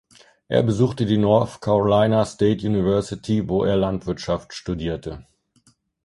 Er besuchte die North Carolina State University, wo er Landwirtschaft studierte.